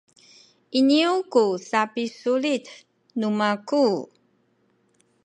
iniyu ku sapisulit nu maku